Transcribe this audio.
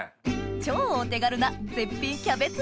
超お手軽な絶品キャベツレシピ